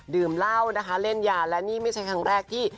ดื่มเหล้านะคะเล่นยาและนี่ไม่ใช่ครั้งแรกที่